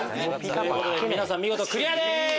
皆さん見事クリアです。